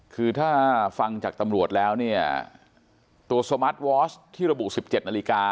คือถ้าฟังจากตำรวจแล้วเนี่ยตัวสมาร์ทวอสที่ระบุ๑๗นาฬิกา